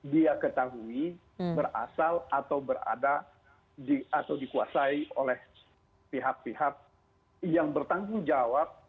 dia ketahui berasal atau berada atau dikuasai oleh pihak pihak yang bertanggung jawab